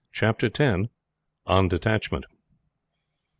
CHAPTER X. ON DETACHMENT.